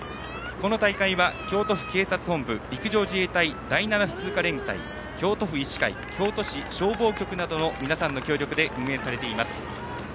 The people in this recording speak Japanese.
この大会は、京都府警察本部陸上自衛隊第７普通科連隊京都府医師会京都府消防局などの皆さんの協力で運営されています。